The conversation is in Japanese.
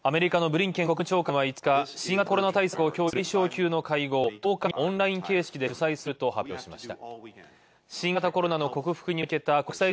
アメリカのブリンケン国務長官は５日、新型コロナ対策を協議する外相級の会合を１０日にオンライン形式で主催すると発表しました。